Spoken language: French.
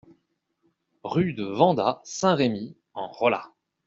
Rue de Vendat, Saint-Rémy-en-Rollat